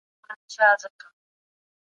که وخت لرې نو يو څو پاڼې ولوله.